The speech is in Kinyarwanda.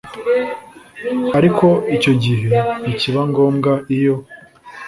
ariko icyo gihe ntikiba ngombwa iyo